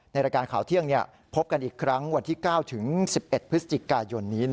ในรายการข่าวเที่ยงพบกันอีกครั้งวันที่๙ถึง๑๑พฤศจิกายนนี้